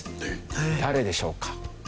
誰でしょうか？